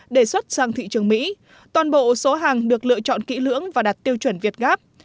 để xuất sang thị trường mỹ toàn bộ số hàng được lựa chọn kỹ lưỡng và đặt tiêu chuẩn việt gáp